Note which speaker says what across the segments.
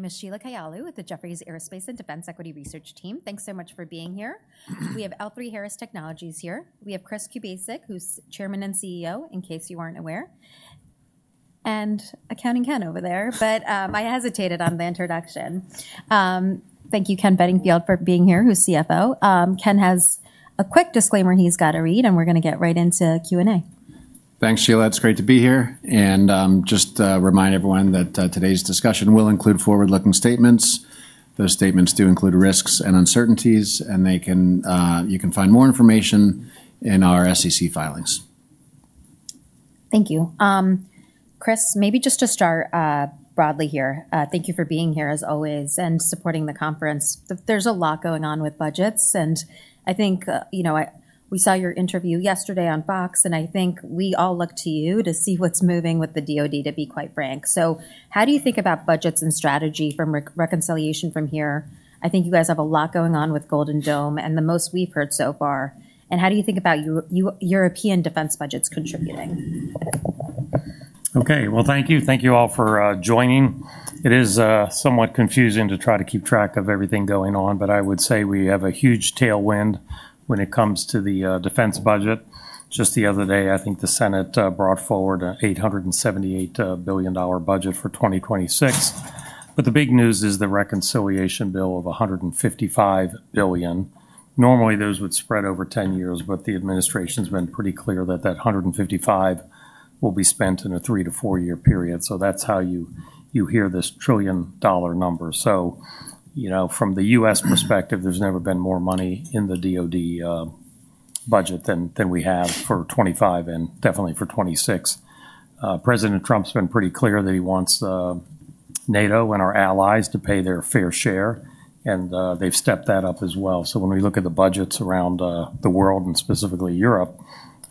Speaker 1: My name is Sheila Kayalu with the Jefferies Aerospace and Defense Equity Research team. Thanks so much for being here. We have l three Harris Technologies here. We have Chris Kubasik, who's chairman and CEO, in case you aren't aware, and accounting Ken over there, but, I hesitated on the introduction. Thank you, Ken Bettingfield, for being here, who's CFO. Ken has a quick disclaimer he's gotta read, and we're gonna get right into q and a.
Speaker 2: Thanks, Sheila. It's great to be here. And, just, remind everyone that, today's discussion will include forward looking statements. Those statements do include risks and uncertainties, and they can, you can find more information in our SEC filings.
Speaker 1: Thank you. Chris, maybe just to start, broadly here. Thank you for being here as always and supporting the conference. There's a lot going on with budgets, and I think, you know, we saw your interview yesterday on Fox, and I think we all look to you to see what's moving with the DOD to be quite frank. So how do you think about budgets and strategy from reconciliation from here? I think you guys have a lot going on with Golden Dome and the most we've heard so far. And how do you think about you you European defense budgets contributing?
Speaker 3: Okay. Well, thank you. Thank you all for, joining. It is, somewhat confusing to try to keep track of everything going on, but I would say we have a huge tailwind when it comes to the, defense budget. Just the other day, I think the senate, brought forward $878,000,000,000 budget for 2026. But the big news is the reconciliation bill of a 155,000,000,000. Normally, those would spread over ten years, but the administration's been pretty clear that that 155 will be spent in a three to four year period. So that's how you you hear this trillion dollar number. So, you know, from The US perspective, there's never been more money in the DOD budget than than we have for '25 and definitely for '26. President Trump's been pretty clear that he wants NATO and our allies to pay their fair share, and, they've stepped that up as well. So when we look at the budgets around, the world and specifically Europe,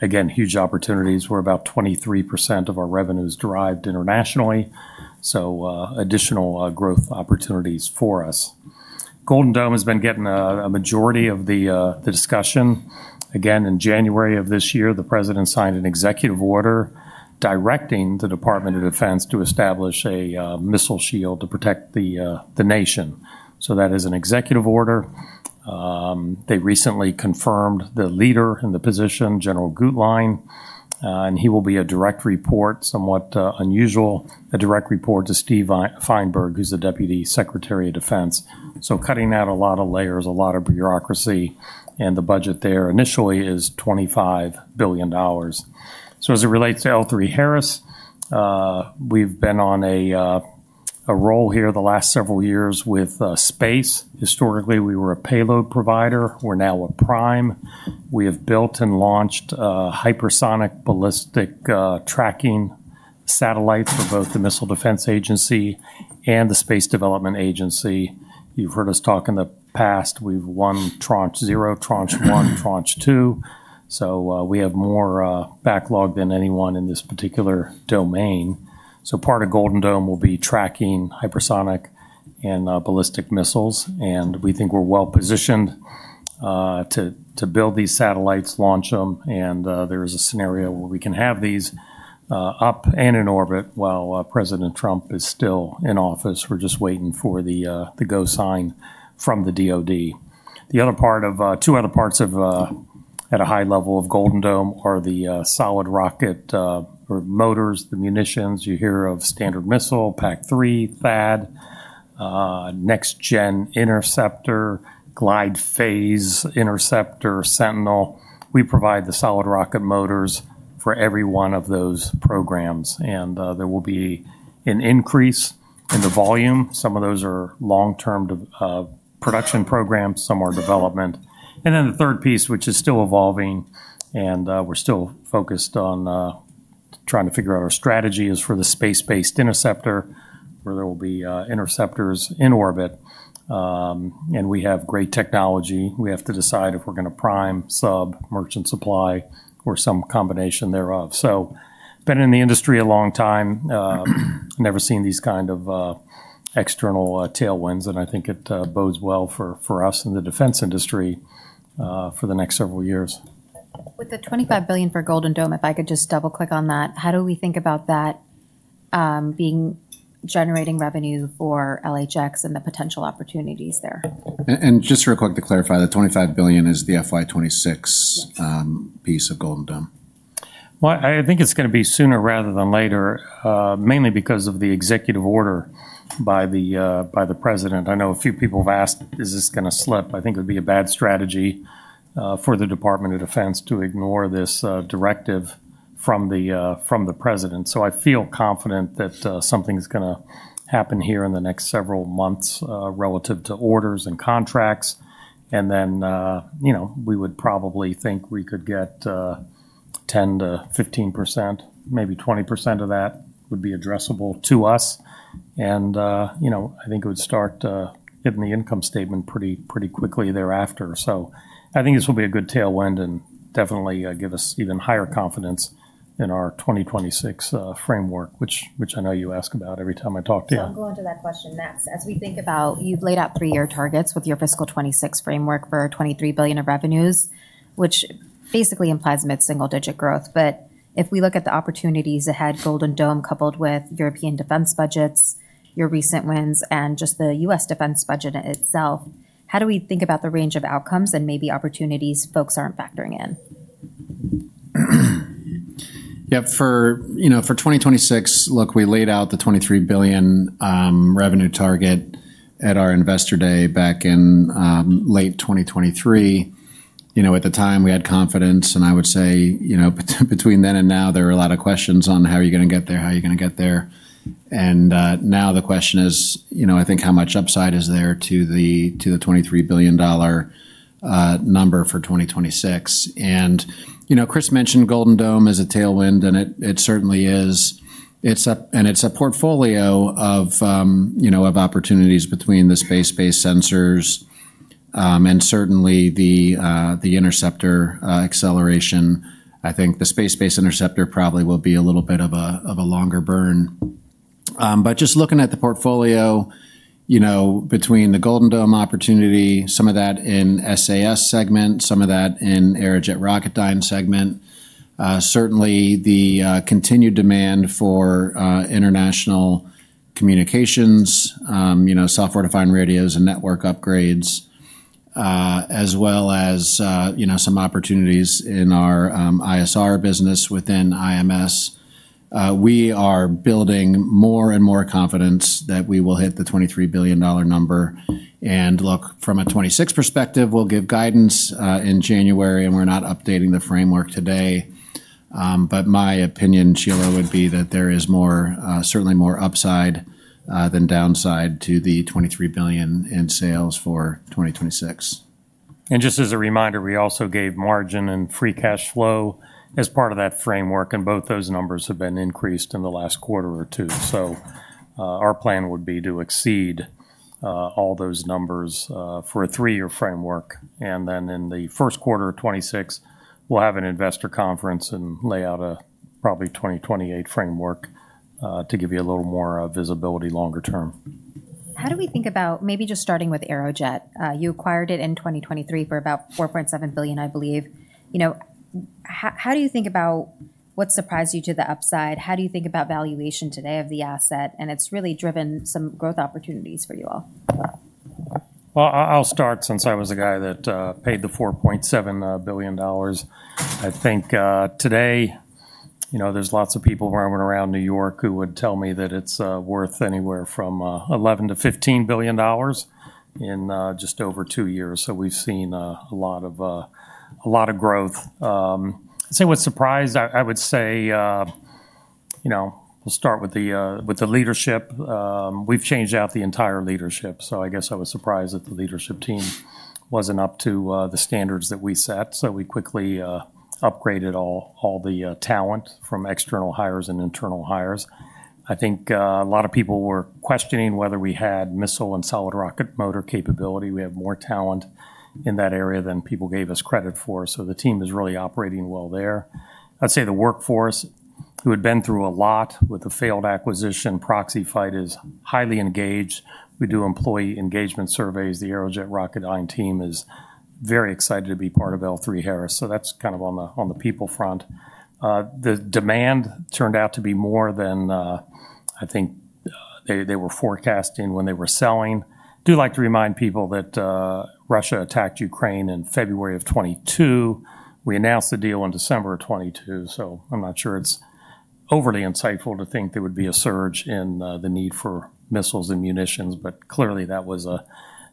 Speaker 3: again, huge opportunities. We're about 23% of our revenues derived internationally, so, additional growth opportunities for us. Golden Dome has been getting a majority of the, the discussion. Again, in January, the president signed an executive order directing the Department of Defense to establish a, missile shield to protect the, the nation. So that is an executive order. They recently confirmed the leader in the position, general Gute Line, and he will be a direct report, somewhat, unusual, a direct report to Steve Feinberg, who's the deputy secretary of defense. So cutting out a lot of layers, a lot of bureaucracy, and the budget there initially is $25,000,000,000. So as it relates to l three Harris, we've been on a a role here the last several years with space. Historically, we were a payload provider. We're now a prime. We have built and launched hypersonic ballistic tracking satellites for both the Missile Defense Agency and the Space Development Agency. You've heard us talk in the past. We've won tranche zero, tranche one, tranche two. So we have more backlog than anyone in this particular domain. Part So of Golden Dome will be tracking hypersonic and ballistic missiles, and we think we're well positioned to to build these satellites, launch them, and there is a scenario where we can have these up and in orbit while president Trump is still in office. We're just waiting for the the go sign from the DOD. The other part of two other parts of at a high level of Golden Dome are the solid rocket motors, the munitions. You hear of standard missile, PAC three, THAAD, next gen interceptor, glide phase interceptor, Sentinel. We provide the solid rocket motors for every one of those programs. And there will be an increase in the volume. Some of those are long term production programs, some are development. And then the third piece, which is still evolving, and we're still focused on trying to figure out our strategy is for the space based interceptor where there will be interceptors in orbit. And we have great technology. We have to decide if we're gonna prime, sub, merchant supply, or some combination thereof. So been in the industry a long time, never seen these kind of external tailwinds, and I think it bodes well for for us in the defense industry for the next several years.
Speaker 1: With the 25,000,000,000 for Golden Dome, if I could just double click on that, how do we think about that being generating revenue for LHX and the potential opportunities there.
Speaker 2: And just real quick to clarify, the 25,000,000,000 is the FY '26, piece of Goldendum.
Speaker 3: Well, I think it's gonna be sooner rather than later, mainly because of the executive order by the, by the president. I know a few people have asked, is this gonna slip? I think it would be a bad strategy, for the Department of Defense to ignore this, directive from the, from the president. So I feel confident that, something's gonna happen here in the next several months relative to orders and contracts. And then, you know, we would probably think we could get 10 to 15%, maybe 20% of that would be addressable to us. And, you know, I think it would start get in the income statement pretty pretty quickly thereafter. So I think this will be a good tailwind and definitely give us even higher confidence in our 2026 framework, which which I know you ask about every time I talk to you.
Speaker 1: I'll go into that question next. As we think about you've laid out three year targets with your fiscal twenty six framework for 23,000,000,000 of revenues, which basically implies mid single digit growth. But if we look at the opportunities ahead, Golden Dome coupled with European defense budgets, your recent wins, and just The US defense budget itself, how do we think about the range of outcomes and maybe opportunities folks aren't factoring in?
Speaker 2: Yep. For, you know, for 2026, look, we laid out the 23,000,000,000 revenue target at our Investor Day back in late twenty twenty three. At the time, we had confidence. And I would say between then and now, there are a lot of questions on how are you going get there, how are going to get there. And now the question is, I think how much upside is there to the $23,000,000,000 number for 2026. And Chris mentioned Golden Dome as a tailwind, and it certainly is. And it's a portfolio of opportunities between the space based sensors and certainly the the interceptor acceleration. I think the space based interceptor probably will be a little bit of a of a longer burn. But just looking at the portfolio, between the Golden Dome opportunity, some of that in SAS segment, some of that in Aerojet Rocketdyne segment, certainly, the continued demand for international communications, software defined radios and network upgrades, as well as some opportunities in our ISR business within IMS, We are building more and more confidence that we will hit the $23,000,000,000 number. And look, from a '26 perspective, we'll give guidance in January, and we're not updating the framework today. But my opinion, Sheila, would be that there is more certainly more upside than downside to the $23,000,000,000 in sales for 2026.
Speaker 3: And just as a reminder, we also gave margin and free cash flow as part of that framework and both those numbers have been increased in the last quarter or two. So our plan would be to exceed all those numbers for a three year framework. And then in the '26, we'll have an investor conference and lay out a probably 2028 framework, to give you a little more visibility longer term.
Speaker 1: How do we think about maybe just starting with Aerojet. You acquired it in 2023 for about 4,700,000,000.0, I believe. You know, how do you think about what surprised you to the upside? How do you think about valuation today of the asset? And it's really driven some growth opportunities for you all.
Speaker 3: Well, I'll start since I was the guy that, paid the $4,700,000,000. I think today, you know, there's lots of people roaming around New York who would tell me that it's worth anywhere from 11 to $15,000,000,000 in just over two years. So we've seen a lot of a lot of growth. So what surprised, I I would say, you know, we'll start with the with the leadership. We've changed out the entire leadership. So I guess I was surprised that the leadership team wasn't up to the standards that we set. So we quickly upgraded all all the talent from external hires and internal hires. I think a lot of people were questioning whether we had missile and solid rocket motor capability. We have more talent in that area than people gave us credit for. So the team is really operating well there. I'd say the workforce who had been through a lot with the failed acquisition, Proxy Fight is highly engaged. We do employee engagement surveys. The Aerojet Rocketdyne team is very excited to be part of l three Harris. So that's kind of on the on the people front. The demand turned out to be more than I think they they were forecasting when they were selling. Do like to remind people that Russia attacked Ukraine in February '22. We announced the deal on December 22, so I'm not sure it's overly insightful to think there would be a surge in the need for missiles and munitions. But, clearly, that was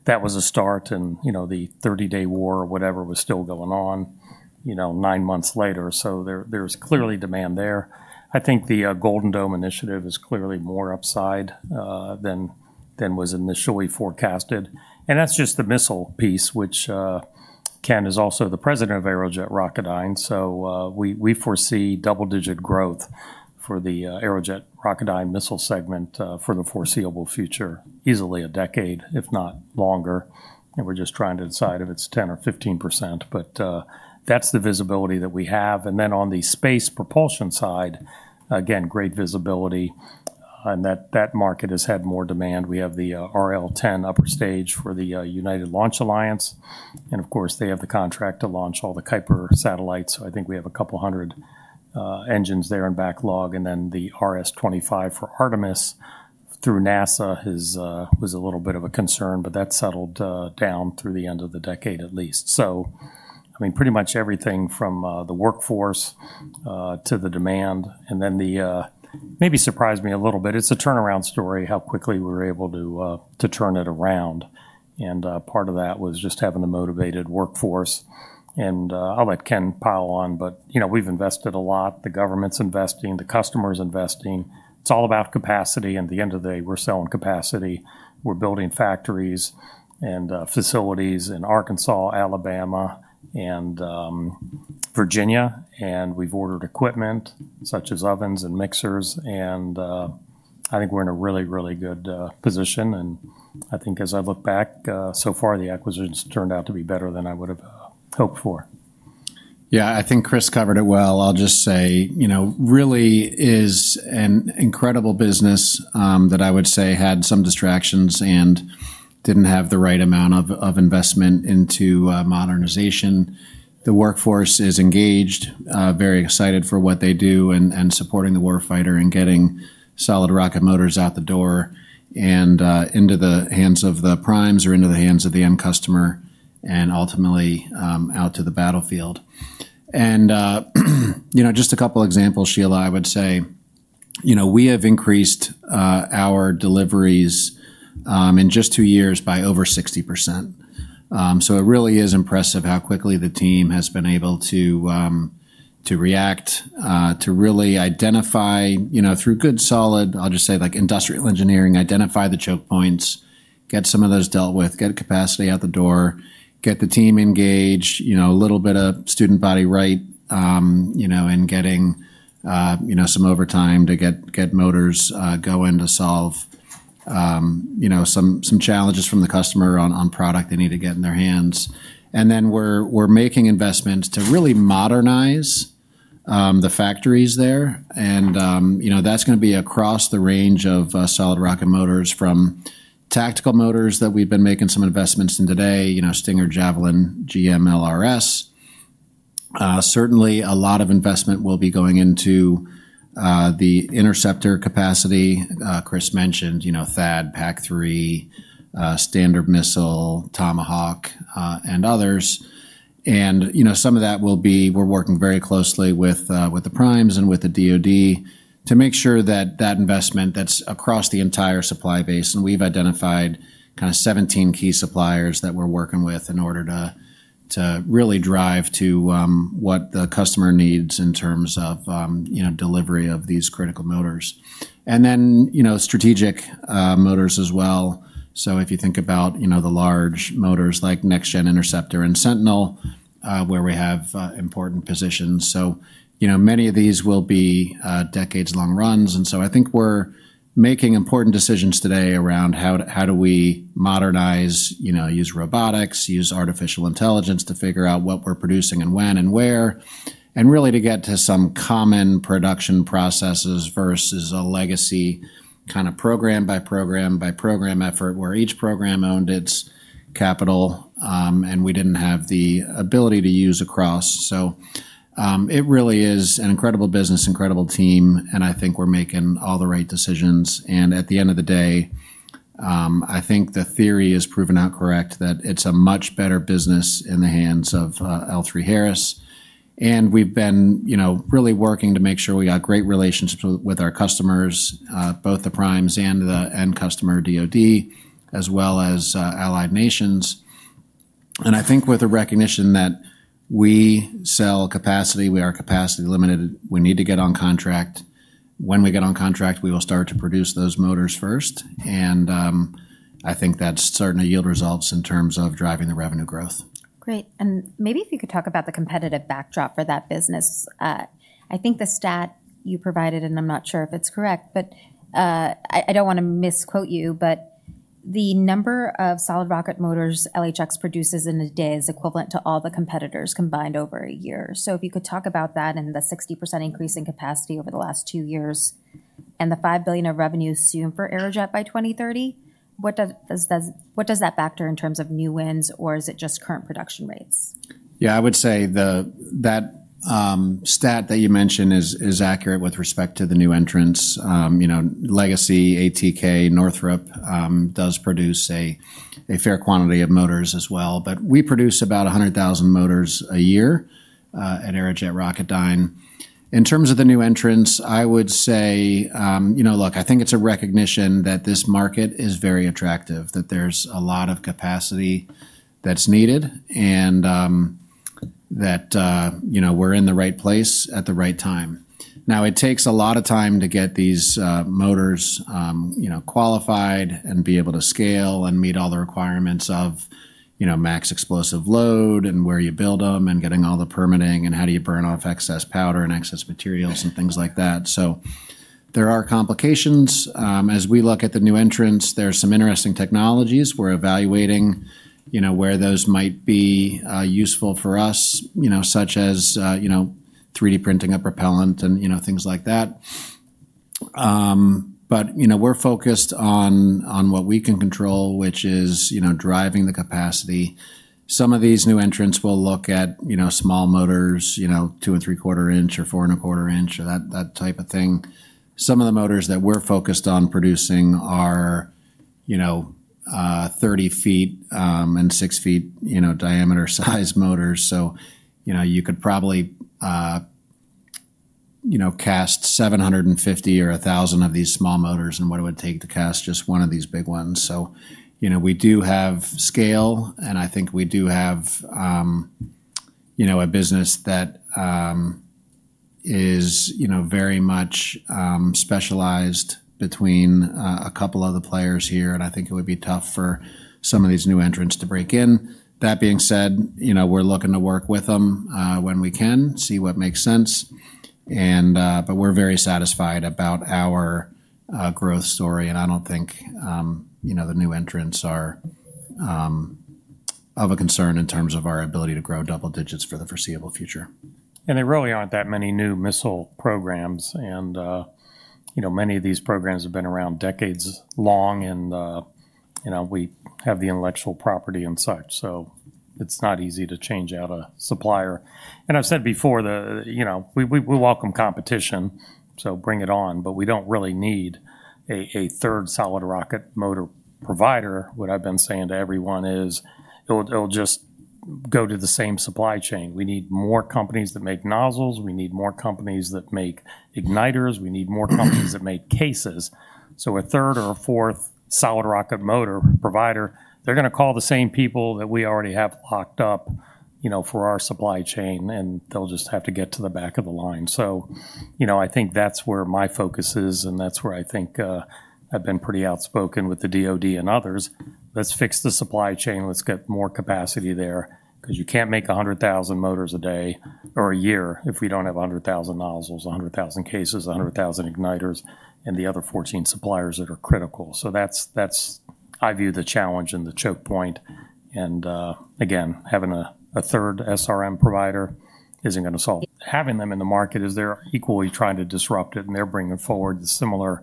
Speaker 3: that was a start and, you know, the thirty day war or whatever was still going on, you know, nine months later. So there there's clearly demand there. I think the Golden Dome initiative is clearly more upside than than was initially forecasted. And that's just the missile piece, which Ken is also the president of Aerojet Rocketdyne. So we we foresee double digit growth for the Aerojet Rocketdyne missile segment for the foreseeable future, easily a decade, if not longer. And we're just trying to decide if it's 10% or 15%, but that's the visibility that we have. And then on the space propulsion side, again, great visibility and that that market has had more demand. We have the RL 10 upper stage for the United Launch Alliance. And, of course, they have the contract to launch all the Kuiper satellites. So I think we have a couple 100 engines there in backlog. And then the RS 25 for Artemis through NASA has was a little bit of a concern, but that settled down through the end of the decade at least. So, I mean, pretty much everything from the workforce to the demand. And then the maybe surprised me a little bit. It's a turnaround story, how quickly we were able to to turn it around. And part of that was just having a motivated workforce. And I'll let Ken pile on, but, you know, we've invested a lot. The government's investing. The customer's investing. It's It's all about capacity. At the end of the day, we're selling capacity. We're building factories and facilities in Arkansas, Alabama, and Virginia, and we've ordered equipment such as ovens and mixers. And I think we're in a really, really good position. And I think as I look back, so far, the acquisitions turned out to be better than I would have hoped for.
Speaker 2: Yeah. I think Chris covered it well. I'll just say, you know, really is an incredible business that I would say had some distractions and didn't have the right amount of investment into modernization. The workforce is engaged, very excited for what they do, and supporting the warfighter and getting solid rocket motors out the door and into the hands of the primes or into the hands of the end customer and ultimately out to the battlefield. And just a couple of examples, Sheila, I would say, we have increased our deliveries in just two years by over 60%. So it really is impressive how quickly the team has been able to react, to really identify through good solid, I'll just say, like industrial engineering, identify the choke points, get some of those dealt with, get capacity out the door, get the team engaged, a little bit of student body right, and getting some overtime to get motors going to solve some challenges from the customer on product they need to get in their hands. And then we're making investments to really modernize the factories there. And that's going to be across the range of solid rocket motors from tactical motors that we've been making some investments in today, Stinger, Javelin, GM, LRS. Certainly, a lot of investment will be going into the interceptor capacity. Chris mentioned, you know, THAAD, PAC three, Standard Missile, Tomahawk, and others. And some of that will be we're working very closely with the primes and with the DoD to make sure that that investment that's across the entire supply base and we've identified 17 key suppliers that we're working with in order to really drive to what the customer needs in terms of delivery of these critical motors. And then strategic motors as well. So if you think about the large motors like Next Gen Interceptor and Sentinel, where we have important positions. So many of these will be decades long runs. And so I think we're making important decisions today around how do we modernize, use robotics, artificial intelligence to figure out what we're producing and when and where, and really to get to some common production processes versus a legacy kind of program by program by program effort where each program owned its capital and we didn't have the ability to use across. So it really is an incredible business, incredible team, and I think we're making all the right decisions. And at the end of the day, I think the theory is proven out correct that it's a much better business in the hands of l three Harris. And we've been, you know, really working to make sure we got great relations with our customers, both the primes and the end customer DOD, as well as allied nations. And I think with a recognition that we sell capacity, we are capacity limited, we need to get on contract. When we get on contract, we will start to produce those motors first. And I think that's starting to yield results in terms of driving the revenue growth.
Speaker 1: Great. And maybe if you could talk about the competitive backdrop for that business. I think the stat you provided, and I'm not sure if it's correct, but I don't want to misquote you, but the number of solid rocket motors LHX produces in a day is equivalent to all the competitors combined over a year. So if you could talk about that and the 60% increase in capacity over the last two years and the 5,000,000,000 of revenue assumed for Aerojet by 02/1930, what does does does what does that factor in terms of new wins, or is it just current production rates?
Speaker 2: Yeah. I would say the that stat that you mentioned is is accurate with respect to the new entrants. You know, legacy ATK Northrop does produce a fair quantity of motors as well. But we produce about 100,000 motors a year at Aerojet Rocketdyne. In terms of the new entrants, I would say, look, I think it's a recognition attractive, that there's a lot of capacity that's needed and that we're in the right place at the right time. Now, it takes a lot of time to get these motors qualified and be able to scale and meet all the requirements of max explosive load and where you build them and getting all the permitting and how do you burn off excess powder and excess materials and things like that. So there are complications. As we look at the new entrants, there are some interesting technologies. We're evaluating where those might be useful for us, such as three d printing a propellant and things like that. But we're focused on what we can control, which is driving the capacity. Some of these new entrants will look at small motors, two and threefour inches or four and onefour inches or that type of thing. Some of the motors that we're focused on producing are 30 feet and six feet diameter sized motors. So you could probably cast seven fifty or 1,000 of these small motors and what it would take to cast just one of these big ones. So we do have scale. And I think we do have a business that is very much specialized between a couple of the players here. And I think it would be tough for some of these new entrants to break in. That being said, we're looking to work with them when we can, see what makes sense. And but we're very satisfied about our growth story, and I don't think, you know, the new entrants are of a concern in terms of our ability to grow double digits for the foreseeable future.
Speaker 3: And there really aren't that many new missile programs. And, you know, many of these programs have been around decades long, and, you know, we have the intellectual property and such. So it's not easy to change out a supplier. And I've said before the you know, we we we welcome competition, so bring it on, but we don't really need a a third solid rocket motor provider. What I've been saying to everyone is it'll it'll just go to the same supply chain. We need more companies that make nozzles. We need more companies that make igniters. We need more companies that make cases. So a third or a fourth solid rocket motor provider, they're gonna call the same people that we already have locked up, you know, for our supply chain, and they'll just have to get to the back of the line. So, you know, I think that's where my focus is, and that's where I think I've been pretty outspoken with the DOD and others. Let's fix the supply chain. Let's get more capacity there because you can't make a 100,000 motors a day or a year if we don't have a 100,000 nozzles, a 100,000 cases, a 100,000 igniters, and the other 14 suppliers that are critical. So that's that's I view the challenge and the choke point. And, again, having a a third SRM provider isn't gonna solve it. Having them in the market is they're equally trying to disrupt it, and they're bringing forward the similar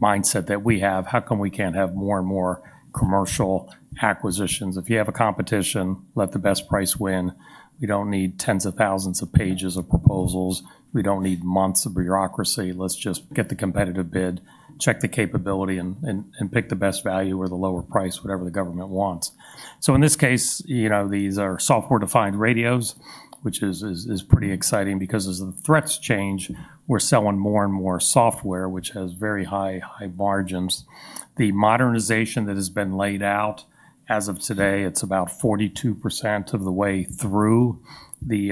Speaker 3: mindset that we have. How come we can't have more and more commercial acquisitions? If you have a competition, let the best price win. We don't need tens of thousands of pages of proposals. We don't need months of bureaucracy. Let's just get the competitive bid, check the capability, and and and pick the best value or the lower price, whatever the government wants. So in this case, you know, these are software defined radios, which is is is pretty exciting because as the threats change, we're selling more and more software, which has very high high margins. The modernization that has been laid out as of today, it's about 42% of the way through the,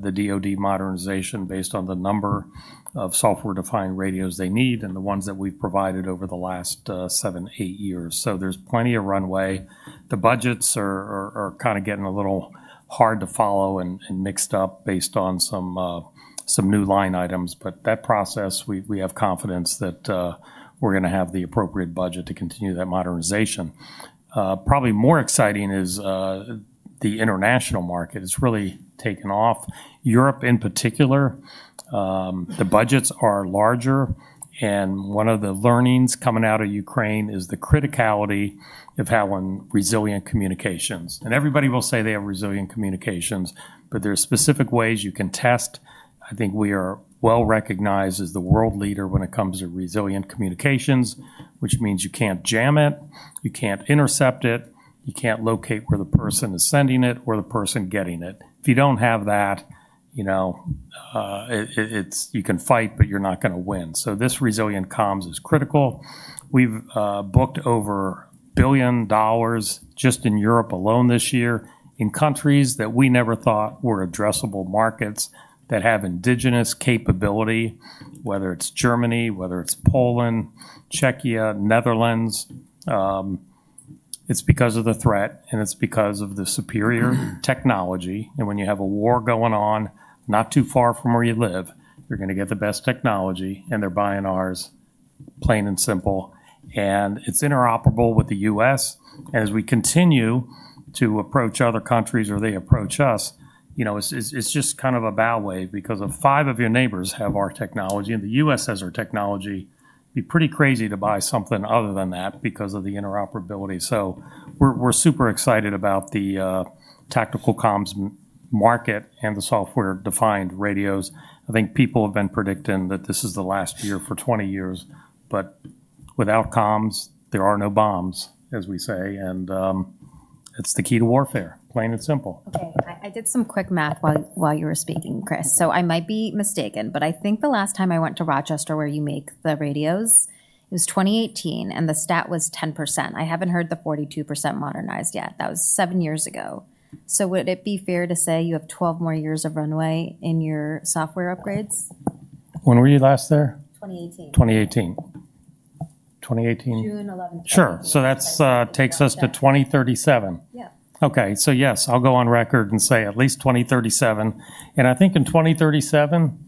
Speaker 3: the DOD modernization based on the number of software defined radios they need and the ones that we've provided over the last seven, eight years. So there's plenty of runway. The budgets are are are kinda getting a little hard to follow and and mixed up based on some some new line items. But that process, we we have confidence that we're gonna have the appropriate budget to continue that modernization. Probably more exciting is, the international market. It's really taken off. Europe in particular, the budgets are larger. And one of the learnings coming out of Ukraine is the criticality of how on resilient communications. And everybody will say they have resilient communications, but there are specific ways you can test. I think we are well recognized as the world leader when it comes to resilient communications, which means you can't jam it, you can't intercept it, you can't locate where the person is sending it or the person getting it. If you don't have that, you know, it it it's you can fight, but you're not gonna win. So this resilient comms is critical. We've booked over billion dollars just in Europe alone this year in countries that we never thought were addressable markets that have indigenous capability, whether it's Germany, whether it's Poland, Czechia, Netherlands. It's because of the threat, and it's because of the superior technology. And when you have a war going on not too far from where you live, you're gonna get the best technology and they're buying ours plain and simple. And it's interoperable with The US as we continue to approach other countries or they approach us. You know, it's it's it's just kind of a bow wave because if five of your neighbors have our technology and The US has our technology, it'd be pretty crazy to buy something other than that because of the interoperability. So we're we're super excited about the tactical comms market and the software defined radios. I think people have been predicting that this is the last year for twenty years. But without comms, there are no bombs, as we say, and it's the key to warfare, plain and simple.
Speaker 1: Okay. I I did some quick math while while you were speaking, Chris. So I might be mistaken, but I think the last time I went to Rochester where you make the radios, it was 2018, and the stat was 10%. I haven't heard the 42% modernized yet. That was seven years ago. So would it be fair to say you have twelve more years of runway in your software upgrades?
Speaker 3: When were you last there?
Speaker 1: 2018.
Speaker 3: 2018. 2018.
Speaker 1: June 11.
Speaker 3: Sure. So that's takes us to 2037. Yeah. Okay. So, yes, I'll go on record and say at least 2037. And I think in 2037,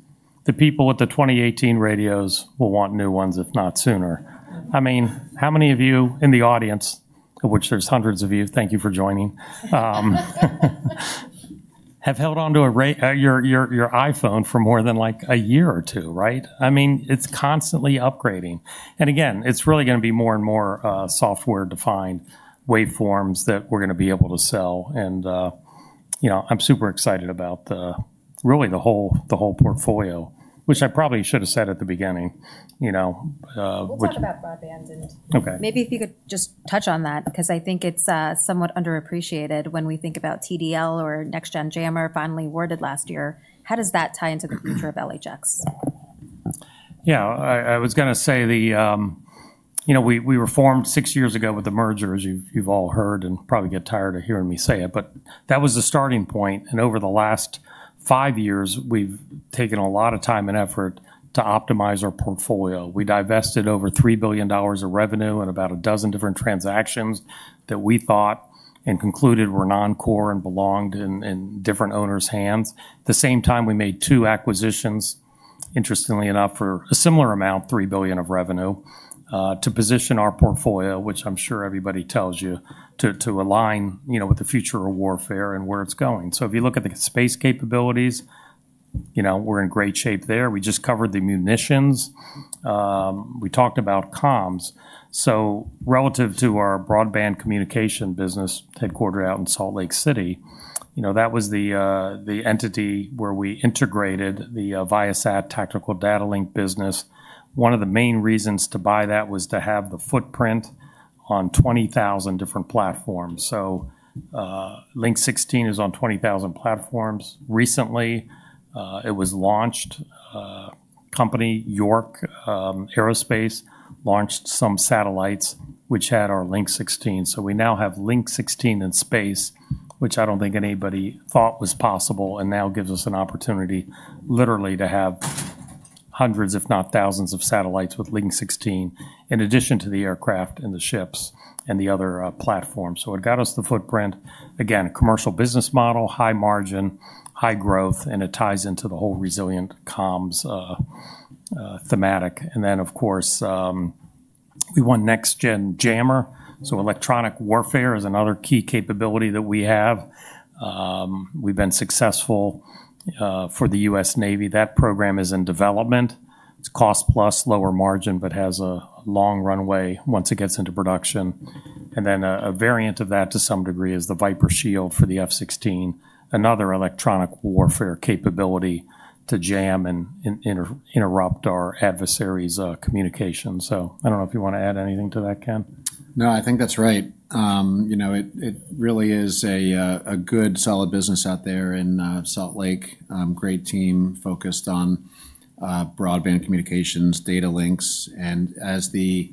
Speaker 3: the people with the 2018 radios will want new ones, if not sooner. I mean, how many of you in the audience, of which there's hundreds of you, thank you for joining, have held on to a rate your your your iPhone for more than, like, a year or two. Right? I mean, it's constantly upgrading. And, again, it's really gonna be more and more, software defined waveforms that we're gonna be able to sell. And, you know, I'm super excited about the really the whole the whole portfolio, which I probably should have said at the beginning. You know?
Speaker 1: We'll talk about broadband and Okay. Maybe if you could just touch on that because I think it's, somewhat underappreciated when we think about TDL or NextGen Jammer finally awarded last year. How does that tie into the future of LHX?
Speaker 3: Yeah. I I was gonna say the, you know, we we were formed six years ago with the merger as you've you've all heard and probably get tired of hearing me say it, but that was the starting point. And over the last five years, we've taken a lot of time and effort to optimize our portfolio. We divested over $3,000,000,000 of revenue and about a dozen different transactions that we thought and concluded were noncore and belonged in in different owners' hands. The same time, we made two acquisitions, interestingly enough, for a similar amount, 3,000,000,000 of revenue, to position our portfolio, which I'm sure everybody tells you, to to align, you know, with the future of warfare and where it's going. So if you look at the space capabilities, you know, we're in great shape there. We just covered the munitions. We talked about comms. So relative to our broadband communication business headquartered out in Salt Lake City, You know, that was the the entity where we integrated the ViaSat tactical data link business. One of the main reasons to buy that was to have the footprint on 20,000 different platforms. So Link 16 is on 20,000 platforms. Recently, it was launched. Company, York Aerospace, launched some satellites which had our Link 16. So we now have Link 16 in space, which I don't think anybody thought was possible and now gives us an opportunity literally to have hundreds, if not thousands, of satellites with link 16 in addition to the aircraft and the ships and the other platforms. So it got us the footprint. Again, commercial business model, high margin, high growth, and it ties into the whole resilient comms thematic. And then, of course, we won next gen jammer. So electronic warfare is another key capability that we have. We've been successful for the US Navy. That program is in development. It's cost plus lower margin, but has a long runway once it gets into production. And then a a variant of that to some degree is the Viper Shield for the f 16, another electronic warfare capability to jam and in inter interrupt our adversary's, communication. So I don't know if you wanna add anything to that, Ken.
Speaker 2: No. I think that's right. You know, it it really is a good solid business out there in, Salt Lake. Great team focused on, broadband communications, data links. And as the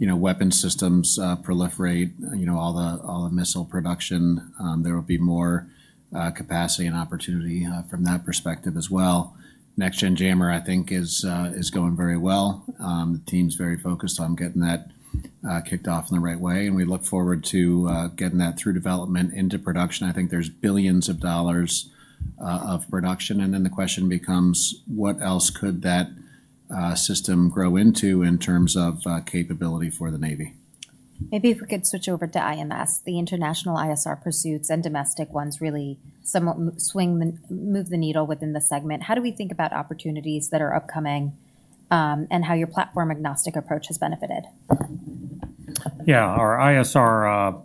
Speaker 2: weapon systems proliferate all all the the missile production, there will be more capacity and opportunity from that perspective as well. Next gen jammer, I think, is is going very well. The team's very focused on getting that kicked off in the right way, and we look forward to, getting that through development into production. I think there's billions of dollars, of production. And then the question becomes, what else could that, system grow into in terms of, capability for the Navy?
Speaker 1: Maybe if we could switch over to IMS. The international ISR pursuits and domestic ones really somewhat swing move the needle within the segment. How do we think about opportunities that are upcoming, and how your platform agnostic approach has benefited?
Speaker 3: Yeah. Our ISR,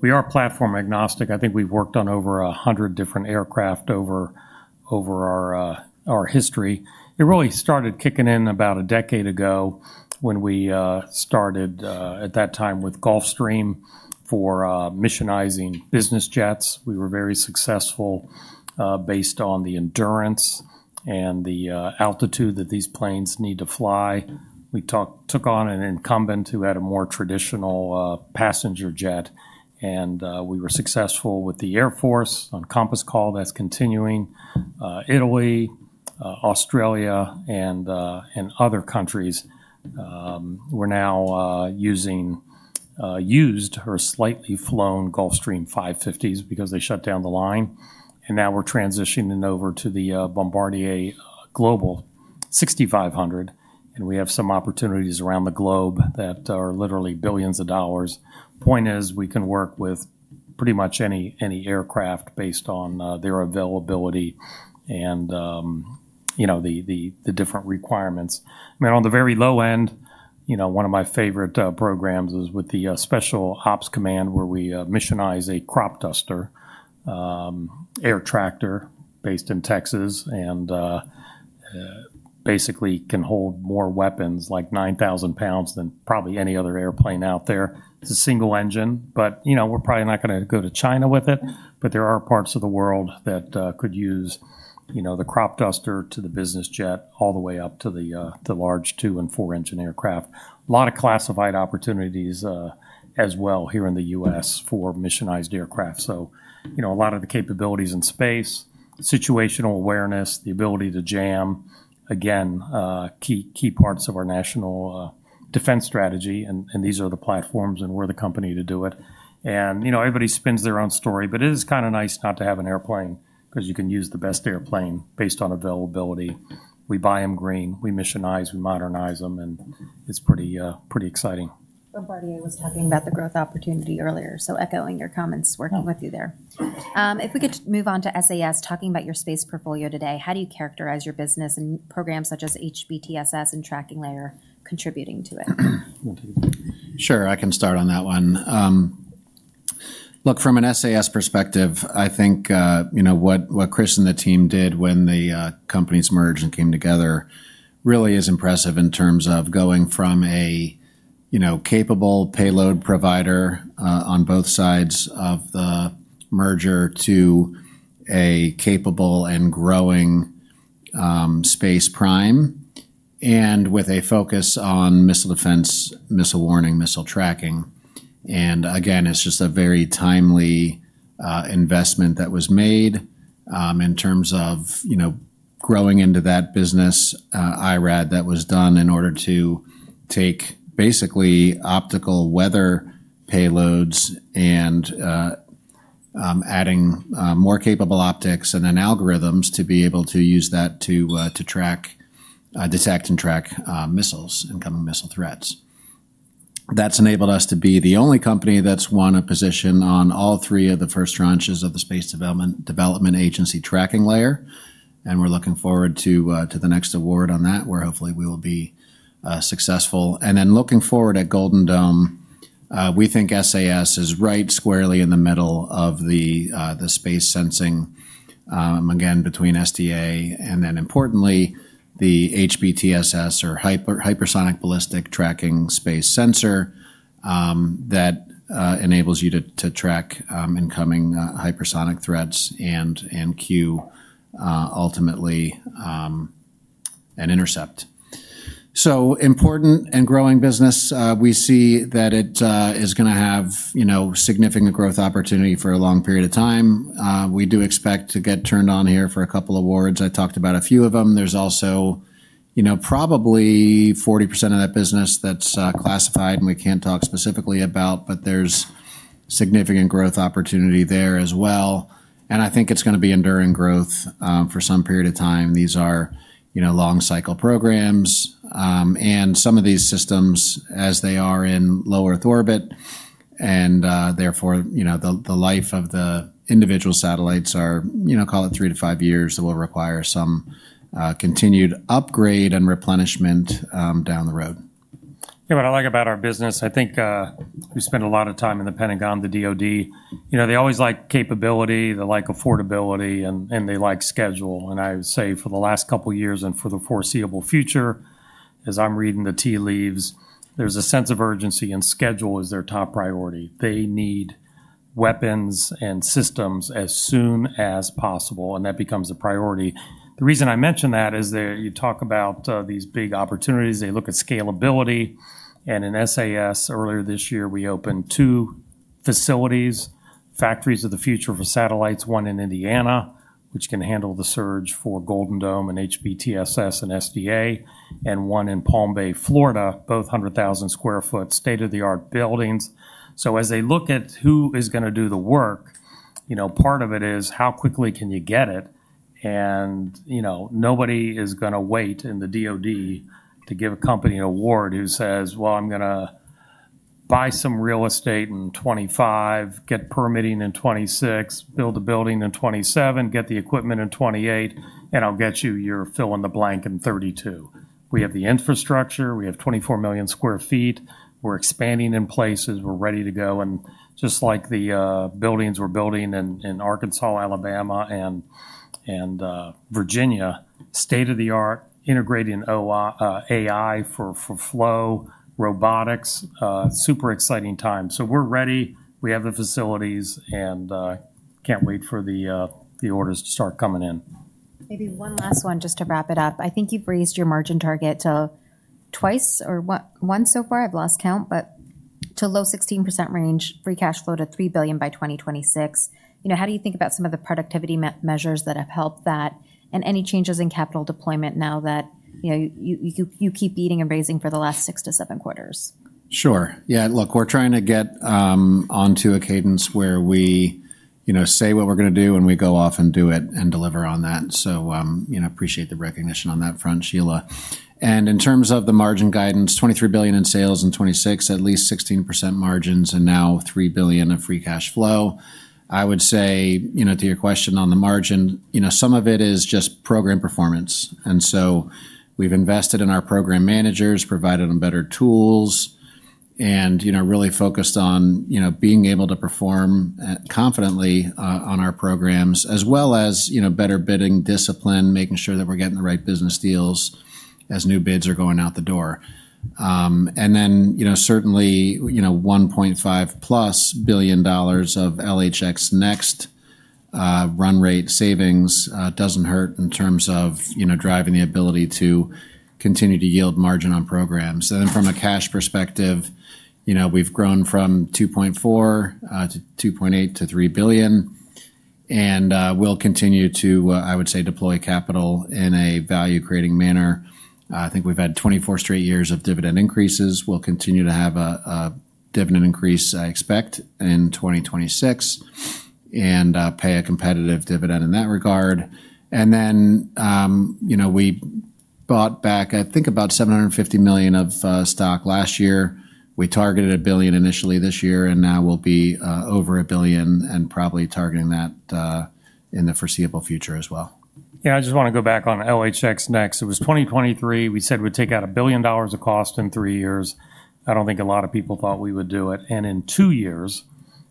Speaker 3: we are platform agnostic. I think we've worked on over a 100 different aircraft over over our, our history. It really started kicking in about a decade ago when we, started, at that time with Gulfstream for, missionizing business jets. We were very successful, based on the endurance and the, altitude that these planes need to fly. We talk took on an incumbent who had a more traditional passenger jet, and we were successful with the Air Force on compass call that's continuing. Italy, Australia, and and other countries, We're now using used or slightly flown Gulfstream five fifties because they shut down the line, and now we're transitioning over to the Bombardier Global 6,500. And we have some opportunities around the globe that are literally billions of dollars. Point is we can work with pretty much any any aircraft based on their availability and, you know, the the the different requirements. Now on the very low end, you know, one of my favorite programs is with the special ops command where we missionize a crop duster air tractor based in Texas and basically can hold more weapons like 9,000 pounds than probably any other airplane out there. It's a single engine, but, you know, we're probably not gonna go to China with it. But there are parts of the world that could use, you know, the crop duster to the business jet all the way up to the the large two and four engine aircraft. Lot of classified opportunities as well here in The US for missionized aircraft. So, you know, a lot of the capabilities in space, situational awareness, the ability to jam, again, key key parts of our national defense strategy, and and these are the platforms, and we're the company to do it. And, you know, everybody spins their own story, but it is kinda nice not to have an airplane because you can use the best airplane based on availability. We buy them green. We missionize. We modernize them, and it's pretty pretty exciting.
Speaker 1: Was talking about the growth opportunity earlier, so echoing your comments working with you there. If we could move on to SAS, talking about your space portfolio today, how do you characterize your business and programs such as HBTSS and Tracking Layer contributing to it?
Speaker 2: Sure. I can start on that one. Look, from an SAS perspective, I think what Chris and the team did when the companies merged and came together really is impressive in terms of going from a capable payload provider on both sides of the merger to a capable and growing space prime and with a focus on missile defense, missile warning, missile tracking. And, again, it's just a very timely investment that was made in terms of growing into that business IRAD that was done in order to take basically optical weather payloads and adding more capable optics and then algorithms to be able to use that to track detect and track missiles, incoming missile threats. That's enabled us to be the only company that's won a position on all three of the first tranches of the Space Development Agency tracking layer. And we're looking forward to the next award on that, where hopefully we will be successful. And then looking forward at Golden Dome, we think SAS is right squarely in the middle of the space sensing, again, between SDA and then importantly, the HPTSS or hypersonic ballistic tracking space sensor that enables you to to track incoming hypersonic threats and and queue ultimately an intercept. So important and growing business. We see that it is going to have significant growth opportunity for a long period of time. We do expect to get turned on here for a couple of awards. I talked about a few of them. There's also probably 40% of that business that's classified and we can't talk specifically about, but there's significant growth opportunity there as well. And I think it's going to be enduring growth for some period of time. These are long cycle programs. And some of these systems, as they are in low Earth orbit, and therefore, the life of the individual satellites are, call it, three to five years, will require some continued upgrade and replenishment down the road.
Speaker 3: Yeah. What I like about our business, I think we spend a lot of time in the Pentagon, the DOD. You know, they always like capability. They like affordability, and and they like schedule. And I would say for the last couple years and for the foreseeable future, as I'm reading the tea leaves, there's a sense of urgency, and schedule is their top priority. They need weapons and systems as soon as possible, and that becomes a priority. The reason I mentioned that is that you talk about, these big opportunities. They look at scalability. And in SAS earlier this year, we opened two facilities, factories of the future for satellites, one in Indiana, which can handle the surge for Golden Dome and HBTSS and SDA, and one in Palm Bay, Florida, both 100,000 square foot state of the art buildings. So as they look at who is gonna do the work, you know, part of it is how quickly can you get it? And, you know, nobody is gonna wait in the DOD to give a company award who says, well, I'm gonna buy some real estate in '25, get permitting in '26, build a building in '27, get the equipment in '28, and I'll get you your fill in the blank in '32. We have the infrastructure. We have 24,000,000 square feet. We're expanding in places. We're ready to go. And just like the, buildings we're building in in Arkansas, Alabama, and and, Virginia, state of the art integrating o AI for for flow robotics, super exciting time. So we're ready. We have the facilities, and, can't wait for the, the orders to start coming in.
Speaker 1: Maybe one last one just to wrap it up. I think you've raised your margin target to twice or one so far. I've lost count, but to low 16% range, free cash flow to 3,000,000,000 by 2026. You know, how do you think about some of the productivity measures that have helped that? And any changes in capital deployment now that, you know, you you keep beating and raising for the last six to seven quarters?
Speaker 2: Sure. Yeah. Look, we're trying to get onto a cadence where we say what we're going to do, and we go off and do it and deliver on that. So I appreciate the recognition on that front, Sheila. And in terms of the margin guidance, 23,000,000,000 in sales and 26%, at least 16% margins and now $3,000,000,000 of free cash flow. I would say, to your question on the margin, some of it is just program performance. And so we've invested in our program managers, provided them better tools, and really focused on being able to perform confidently on our programs, as well as better bidding discipline, making sure that we're getting the right business deals as new bids are going out the door. And then certainly, 1.5 plus billion of LHX NEXT run rate savings doesn't hurt in terms of driving the ability to continue to yield margin on programs. So then from a cash perspective, we've grown from 2,400,000,000.0 to 2,800,000,000.0 to $3,000,000,000 And we'll continue to, I would say, deploy capital in a value creating manner. I think we've had twenty four straight years of dividend increases. We'll continue to have a dividend increase I expect in 2026 and pay a competitive dividend in that regard. And then we bought back, I think, about 750,000,000 of stock last year. We targeted a billion initially this year, and now we'll be over a billion and probably targeting that in the foreseeable future as well.
Speaker 3: Yeah. I just wanna go back on LHX next. It was 2023. We said we'd take out a billion dollars of cost in three years. I don't think a lot of people thought we would do it. And in two years,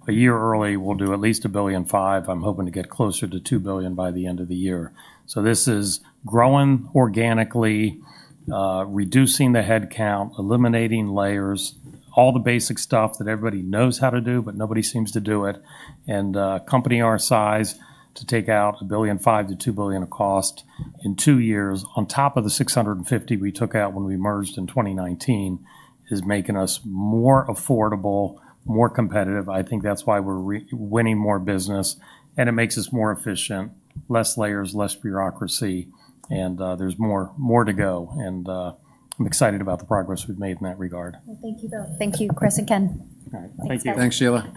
Speaker 3: a year early, we'll do at least a billion 5. I'm hoping to get closer to 2,000,000,000 by the end of the year. So this is growing organically, reducing the headcount, eliminating layers, all the basic stuff that everybody knows how to do, but nobody seems to do it. And, company our size to take out a billion 5 to 2,000,000,000 of cost in two years on top of the 650 we took out when we merged in 2019 is making us more affordable, more competitive. I think that's why we're winning more business, and it makes us more efficient, less layers, less bureaucracy, and, there's more more to go. And, I'm excited about the progress we've made in that regard.
Speaker 1: Well, thank you both. Thank you, Chris and Ken.
Speaker 3: Alright. Thank you.
Speaker 2: Thanks, Sheila.